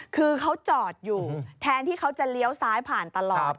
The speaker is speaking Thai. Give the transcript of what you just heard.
คือเขาจอดอยู่แทนที่เขาจะเลี้ยวซ้ายผ่านตลอด